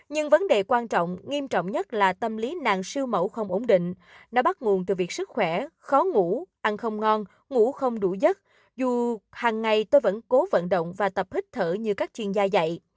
nhưng vấn đề quan trọng nghiêm trọng nhất là tâm lý nạn siêu mẫu không ổn định nó bắt nguồn từ việc sức khỏe khó ngủ ăn không ngon ngủ không đủ giấc dù hằng ngày tôi vẫn cố vận động và tập hít thở như các chuyên gia dạy